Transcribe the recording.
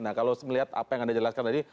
nah kalau melihat apa yang anda jelaskan tadi